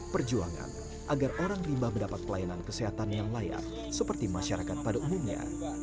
perjuangan agar orang rimba mendapat pelayanan kesehatan yang layak seperti masyarakat pada umumnya